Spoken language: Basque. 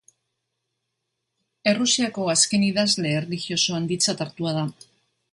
Errusiako azken idazle erlijioso handitzat hartua da.